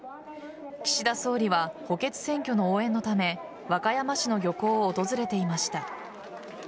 岸田総理は補欠選挙の応援のため和歌山市の漁港を訪れていました。